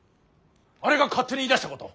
あれが勝手に言いだしたこと。